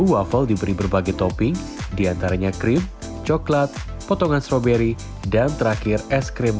waffle diberi berbagai topping diantaranya krim coklat potongan stroberi dan terakhir es krim